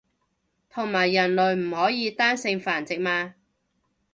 同埋人類唔可以單性繁殖嘛